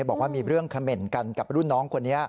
บอกว่ามีเรื่องเขม่นกันกับรุ่นน้องคนนี้